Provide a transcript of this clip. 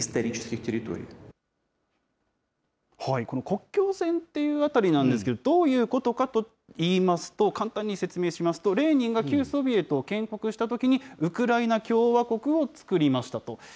この国境線っていうあたりなんですけど、どういうことかといいますと、簡単に説明しますと、レーニンが旧ソビエトを建国したときにウクライナ共和国をつくりましたと。